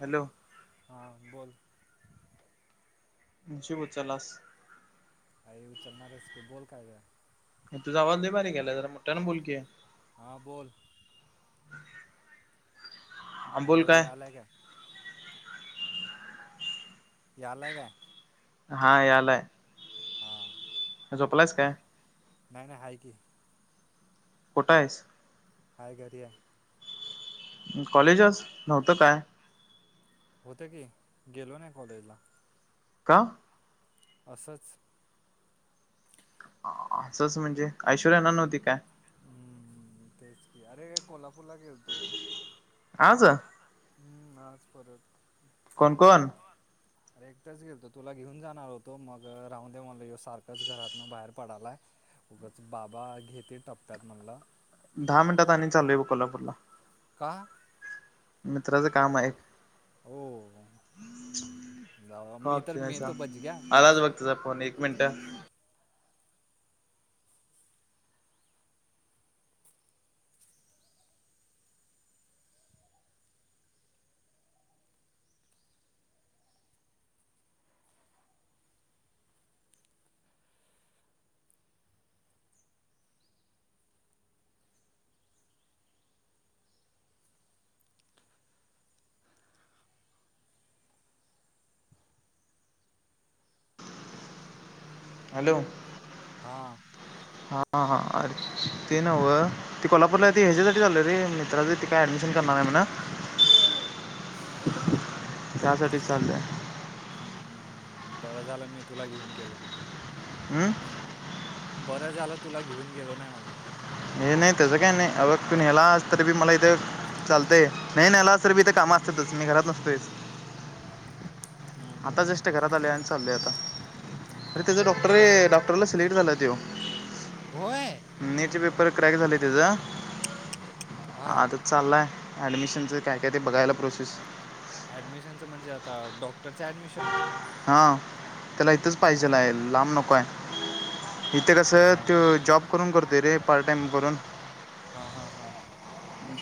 Hello हा बोल नशीब उचललास आय उचलणारच की बोल काय जाल तुझा आवाज लय बारीक यालय जरा मोठ्या न बोलकी आहे हा बोल ह [inaudible] हॅलो यालाय काय यालय काय हा यालाय हा झोपलायस काय नाहीना आहे घ कुठं आहेस आहे घरी आहे कॉलेजच नव्हतं काय होते की गेलो नाही कॉलेजला का असंच असंच म्हणजे ऐश्वर्या येणार नव्हती काय हम्म तेच की अरे कोल्हापूर ला घेलतो आज हम्म आज परत कोण कोण अरे एकटंच गेल तो तुला घेऊन जाणार होतो मग राहून देेव म्हला येऊ सारखंच घरातन बाहेर पडालाय उगाच बाबा घेते टप्प्यात म्हणलं दहा मिनटात आण चालूय कोल्हापूरला का मित्राचं काम आहे ओ जाऊ मी तर ओके मी तो बच गया चालतंय आलाच बग झ फोन एक मिनटं हॅलो हां हा हा अर ते नववं ती कोल्हापूरला त ह्याच्यासाठी चालोय रे मित्राचे त काय ऍडमिशन करणार आहे म्हणा हमम त्यासाठीच चाललंय ह्म ह बरं झालं मी तुला घेऊन गेलो नाही हम्म बरं झालं तुला घेऊन गेलो नाही म्हणला हे नाही त्याचं काही नाही अगघ तु न्यालास तरी बी मला इथे चालतय नाही नाहीलास तर मी इथ काम असतातच मी घरात नसतोयच हम्म, हम्म, आता हम्म, जस्ट हम्म. घरात आलोय आणि चालले आता हम्म, हम्म, अरे हम्म. त्याच डॉक क्टरे डॉक्टरला सिलेक्ट झाला तो होय नेटचे पेपर क्रॅक झाले त्याज हां आता चाललाय ऍडमिशनच काय, काय ते बघायला प्रोसेस ऍडमिशनचं म्हणजे आता डॉक्टरचं ऍडमिशन हा त्याला इथंच पाहिजेल हां आहेल लांब नको आहे इथे कसं त हां जॉब करून करतोय रे पार्ट टाइम करून हा, हा, हा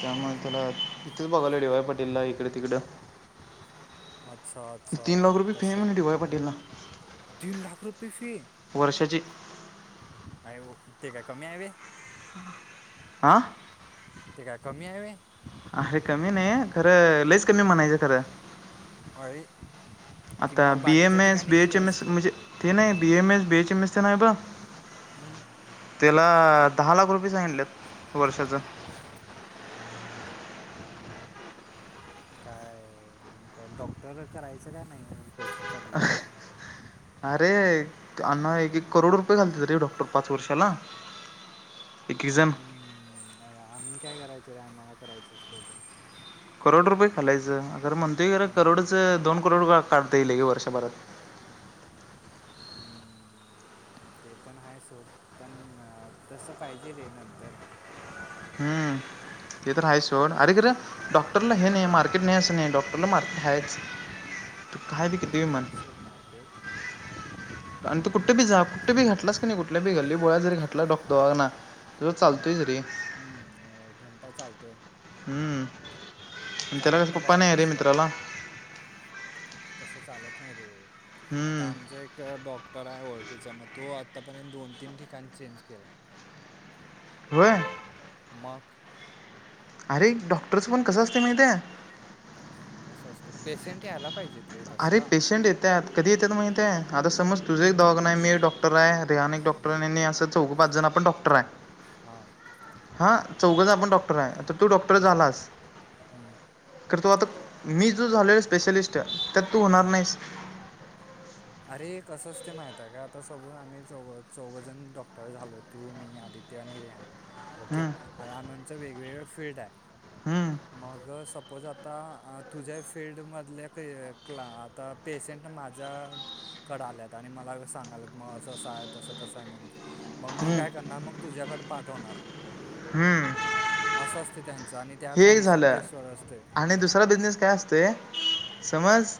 त्यामुळे त्याला इथेच बघालं डी वाय पाटील ला इकडे, तिकडं अच्छा अच्छा तीन लाख रुपये फी हाय तसं म्हण डी वाय पाटील ला तीन लाख रुपये फी वर्षाची आहे ओ ते काय कमी आहे होय आं ते काय कमी आहे होय अरे कमी नाही खरं लईच कमी म्हणायचं खरं आई आता B M S B H M S म्हनजे ते नाई B M S B H M S ना हाय बघ हम्म त्याला दहा लाख रुपये सांगितलेत वर्षाच काय नेमकं डॉक्टर करायचं का नाही पैसे काढले अरे अण्णा एक करोड रुपये घालतेत रे डॉक्टर पाच वर्षाला एक एक जण हम् आम्ही काय करायच रे आम्हाला करायचं असल तर करोड रुपये घालायचं खरं म्हणतेय क हम्म, करोडचं दोन करोड काढता येईल की वर्षभरात हम्म ते पण आहे सोड पण तस पाहिजे रे नंतर हम् ते तर हाय सोड अरे खरं डॉक्टरला हे नाही मार र्केट नाही असं नाही डॉक्टरला मार्केट हायच तू काय ब किती हम्म, म्हण आहे सोड मार्केट आणि तु कुठ बी जा कुठबी घातलास का नाही कुठील्या गल्ली बोळात जरी घातला डॉक दवाखाना तुझं चालतोयच रे ह, ह घंटा चालतोय हम्म तेला चालत कसं पप्पा नाही भावात आहे रे असलं मित्राला तसं चालत नाही रे आता हम्म आमच एक डॉक्टर आहे ओळखीचा मग तो आत्तापर्यंत दोन तीन ठिकाण चेंज केला होय मग अरे डॉक्टरसं पण कसं असतय माहित आहे कसं असतें पेशंट यायला पाहिजेत रे अरे तसं पेशंट येतात कधी येतात माग ते आता समज तुझ एक दवाखाना आहे मी एक डॉक्टरआहेे आणि डॉक्टर आहे असं चौघ, पाच जण पण आपण डॉक्टर हां क्टर हा चौघ पण आपण डॉक्टर आहे तर तू डॉक्टर झालास ह तर तू आता मी जो झालोय स्पेशलिस्ट त्यात तू होणार हां नाहीस अरे कसं अस ते माहित आहे का आता समज आम्ही चौ चौघ जण डॉक्टर झालोत तू, मी आदित्य आणि रे ह ओके आणि आनचं वेगवेगळ फील्ड आहे हम्म मग सपोज आता तुझ्या फिल््डमधल्या क क्ला तर पेशंट माझ्या कड आल्यात आणि मला सांगालात मग असं असं आहे तसं तसं आहे म्हणून मग मी हम्म काय करणार मग तुझ्याकडे पाठवणार हम्म असं असते त्यांचं आणि त्या हे एक कमिशन झालं बेसवर असते आणि दुसरा बिझनेस काय असत समज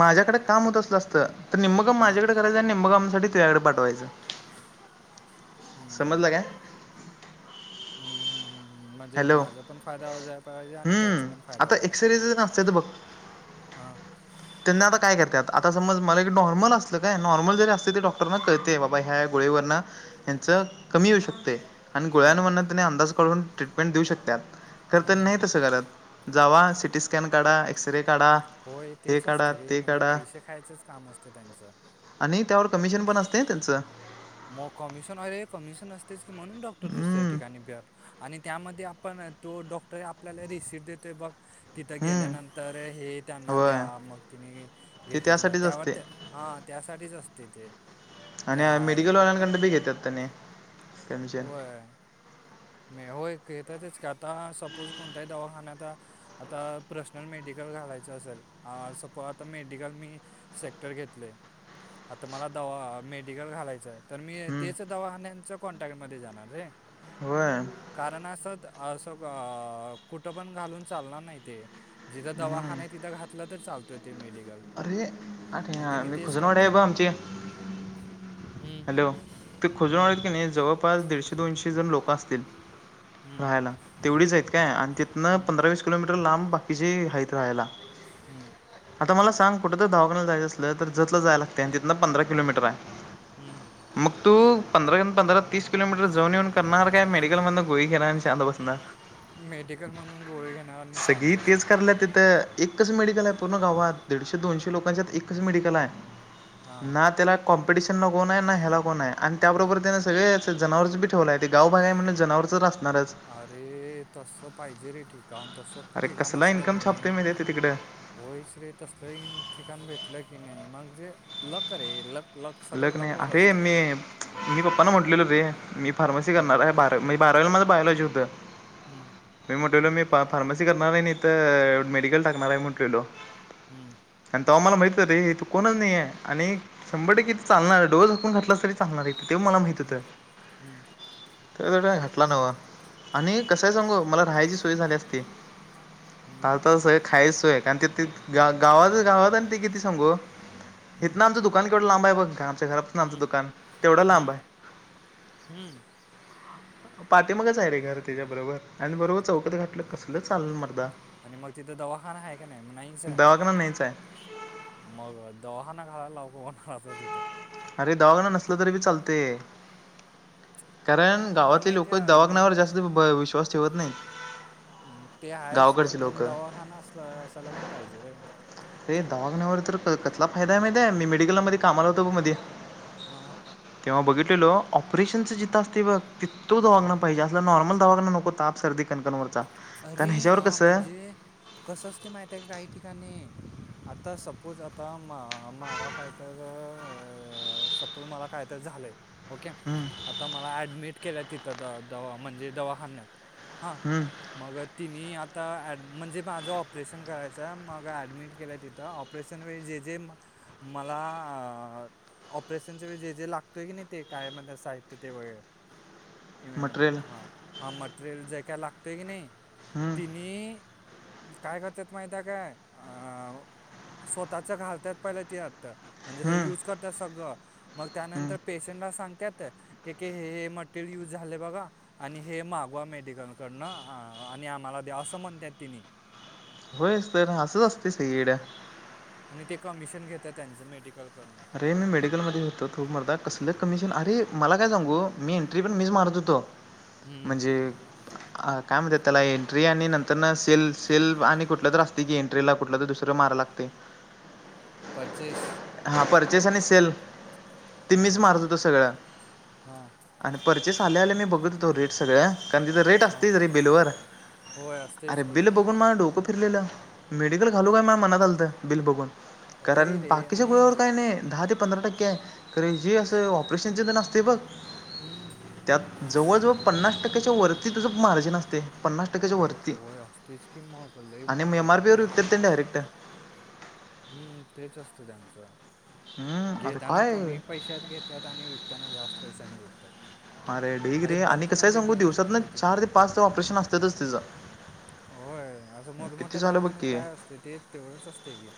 माझ्याकडे काम होत अस असत तर मग हम्म, माझ्याकडे करायचं निमकाम सासाठी त्याकडे पाठवायचं समजलं हम्म. का हम्म हम हम् ह म्हणजे हॅलो माझा पण फायदा होला पाहिजे आणि त्याचा हम्म पण फायदा आता व्हायला पाहिजे एक्सरेचं असते तर बघ हा त्यांना आता काय करतात आता समज मला एक नॉर्मल असलं काय नॉर्मल जरी असते तरी डॉक्टांना कळते आहे बाबा ह्या गोळेव् ना हच कमी येऊ शकते आणि हम्म. गोळ्यानम त्यांने अंदाज काढून ट्रीटमेंट देऊ शकतात खरं हम्म. तररी नाही हम्म. तसं घरात जावा सि टी स्कॅन काढा एक्सरे काढा होय हे तेच असत काढा रे ते म्हणजे काढा पैसे खायचंच काम असतं त्यांचं आणि त्यावर कमिशन पण असते त्यांच मग कमिशन वर कमिशन असतेच की म्हणून डॉक्टर दुसऱ्या हम्म, ठिकाणी भे आणि त्यामध्ये पण तो डॉक्टर आपल्याला रिसट देतोय बघ तिथं हम्म. गेल्यानंतर हे त्यांना द्या होय मग तिने ते घेते तुम्हाला त्यासाठीच त्यावर असते त्या हा त्यासाठीच असते ते आणि त्या मेडिकल ऑनंकड बी घेतात त्यांनी कमिशन म होयेतातच का आता सपोज कोणताही दवाखान्याचा आता पर्सनल मेडिकल घालायचं असेल सपो आता मेडिकल मी सेक्टर घेतलय आता मला दवा मेडिकल घालायच आहे तर मी हम्म, तेच दवाखान्याच कॉन्टॅक्टमध्येध्ये जाणार र होय कारण असं असं कुठं पण घालून चालणार नाही ते जिथं दवाखा हम्म. नाही आहे तिथं घातलं तर चालतोय ते मेडिकल अरे आठ मग त्यांनी तेच खुजनवाड्या आहे करतात ब आमचे हम्म, हॅलो ते खोजून हम्म, ऑढत की हम्म, नाही जवळपास दीशे दोनशे जण लोक असतात हम्म, राहायला तेवढीच आहेत काय आणि तिथनं हम्म, पंधरा वीस किलोमीटर लांब हम्म, आता म सांग कुठ ध जाच अस तर ज जाला ते जितना पंरा किलोमीटर आहे हम मग तू पंधरा पंधरा तीस किलोमीटर जाऊन येऊन करणार काय मेडिकल मध गोळी खेरा आणिांदा बसणार मेडिकल म्हणून गोळी घ सगळी तेच कलं त तर एकच मेडिकल आहे पूर्ण गावात दीडशे दोनशे लोकांच्यात एकच मेडिकल आहे हां ना त्याला कॉम्पिटिशन कोण आहे ना ह्याला कोण आहे आणि त्याबरोबर त्याने सगळे जनावर बी ठेवलं आहे ते गाव बागाय म्हणजे जनावरच असणारच अरे तसं पाहिजे रे ठिकाण तसं अरे ठिकाण कसला असलं की इनकमछापतोय नाही मी ते तिकडे होयच रे त असलं ठिकाण भेटलं की नाही मग जे लकर आहे लक लक सगळं लग्न लकवर अरे असतंय मी मी पप्पा न म्हटलेलो रे मी फार्मसी हम्म, करणार आहे ब म्हजे बारावीलामध्ये बायलॉजी होतं हम्म मी म्हटलेलो मी फार्मसी करणार आहे. नाहीत मेडिकल टाकणार आहे म्हटलेलो. हम्म आणि तेव्हा मला माहित रे तू कोणच नाही आहेे. आणि शंभर टक्के चालणार. डोळे झाकून घातल असत तरी सांगणारय ते मला माहित होत. हम्म, हम्म, तर घटला नव. आणि कसाय सांगू मला राहायची सोय झाली असती. [unintelligible] हम्म, खायच सोय. कारण ग गावात गावात आणि ते किती सांगू. हम्म, इथन आमच दु दुकान केवढ लांब आहे बघ. आमच्या घरापासन आमच हम्म, दुकान. तेवढ लांब हम्म, आहे. हम्म. [inaudible] पाठीमागेच आहे रे घर त्याच्या बरोबर. आणि बरोबर चौकत घातलं कसल चालल मरदा. आणि मग तिथं दवाखाना आहे का नाही. म नाहीचय दवाखाना नाहीच आहे. मग दवाखाना घालायला लावुकं कोणाला आता तिथ. अरे दवाखाना नसला तरी बी चालतय. कारण पण गावातले एक लोक दवाखाण्यावर मेन जास्त विश्वास ठेवत नाही. ह ते आहे सोड. पण दवाखाना अस असायला पण पाहिजे रे. ते दवाखान्यावर तर कसला फायदा आहे माहितेय. मी मेडिकलमध्ये कामाला होतो बघ मध्ये. हा तेव्हा बघितलेलो‌. ऑपरेशनच जिथं असते बघ. ती तो दवाखाना हम्म पाहिजे. नॉर्मल दवाखाना नको ताप, सर्दी, कणकणवरचा. कारण अरे ह्याच्यावर हा कस म्हणजे कसं असते माहिती आहे काही ठिकाणी. आता सपोज आता मा माला काय तर अ अ सपोज मला काय तर झालंय. ओके. हम्म आता मला ऍडमिट केल तिथं द -दवा म्हणजे, दवाखान्यात. हा हम्म मग तिने आता ॲड म्हणजे माझं ऑपरेशन करायचं मग ॲडमिट केलं तिथ. ऑप प्रेशन वेळी जे जे म मला ऑपरेशनच्या वेळी जे जे लागतोय की नाही ते काय म्हणतात साहित्य ते वगैरे मटेरियल हा हा मटेरियल जे काय लागतय की नाही हं, तिने काय करतात माहित काय? अ स्वतः घालतात पहिल्या त्यात. म्हणजे हं, युज करतात सगळ. मग हं. त्यानंतर पे त्यांना सांगण्यात कि हे हे मटेरियल यूज झाले बघा. आणि हे मागवा मेडिकल कडन आणि आम्हाला द्या. असं म्हणत्यात तिने. होय असतय ना. असंच असते सगळीकडे. आणि ते कमिशन घेतात त्यांच मेडिकलकडन. अरे मी मेडिकलमध्ये होतो मर्दा. कसलं कमिशन? अरे मला काय सांगू मी एंट्री पण मिच मारत होतो. हम्म म्हणजे अ काय म्हणतात त्याला एंट्री आणि नंतर न सेल सेल आणि कुठलं तर असते की एन्ट्रीला कुठलं तरी दुसरं माराया लागतय. पर्चेस हा पर्चेस आणि सेल ते हां मीच मारत होतो सगळं. हां आणि पर्चेस आल्या आल्या मी बघत होेतो रेट सगळ्या. कारण तिथ रेट हां असतेच रे बिल वर. होय अरे असतेच की बिल बुक माझं डोकं फिरलेलं, मेडिकल घालू काय माझ्या मनात आलतं, बिल बघून. होय कारण रे बाकीच्या आणि गोळ्यावर काय नाही दहा ते पंधरा टक्केे आहे‌. कारण जे असे ऑपरेशन चे ते असते बघ. हम्म त्यात जवळजवळ पन्नास टक्क्याच्या वरती तुझं मार्जिन असते. पन्नास टक्क्याच्या होय वरती. होय असतेच की मग लई आणि मा मग एम आर पी ते वर विकत्यात डायरेक्ट. हुं तेच असते त्यांचं, हम्म अरे घेताना काय कमी पैशात घेतात आणि विक त्यांना जास्त पैशानी विकतात. हा रे ढीग अरे रे आणि कसंय बल्कमध्ये सांगू, घेतात दिवसात ना रे तिने चार ते पाच, सहा ते ऑपरेशन असतातच तिथं. होय, असं मोठमोठ्या दवाखान्यात की काय असते ते, तेवढंच असते की.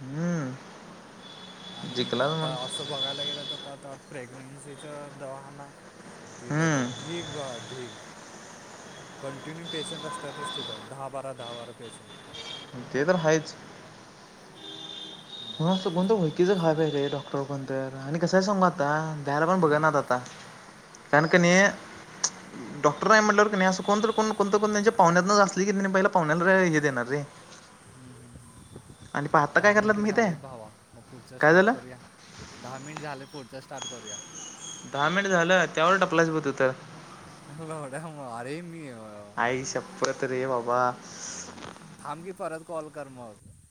हम्म. आणि जिंकला आता मग असं बघायला गेलं तर, आता प्रेग्नेन्सीचा दवाखाना तिथं तर, हम्म ढीग, बा ढीग. कंटिन्यू पेशंट असतातच तिथं दहा बारा, दहा बारा पेशंट. ते तर हायच. मग पण असं कोण तर वळकीचं खाय पाहिजे डॉक्टर कोण तर आणि कसंय सांगू आता द्यायला पण बघ हम्म, ना आता. आत्ता. कारण कनेय डॉक्टर नाही म्हटल्यावर कणी असं कोण तरी कोण कोणत कोण त्यांच्या पाहुण्यात अस किणी पहिला पावण्याणातल हे देणार रे. हम्म हम्म, आणि पहा आता काय दहा करलात मिनिटं माहिती झालेत आहे भावा, आता पुढचं काय स्टार्ट झालं करू. दहा मिनिटं झाले, पुढचं स्टार्ट करुया. दहा मिनिट झालं, त्यावर टपलायच बघ तू तर. [unintelligible] अरे मी अह आई शप्पत रे बाबा. थांब की परत कॉल कर मग.